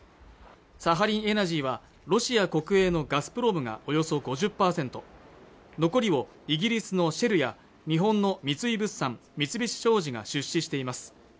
サハリンエナジーはロシア国営のガスプロムがおよそ５０％残りをイギリスの会社や日本の三井物産三菱商事が出資しています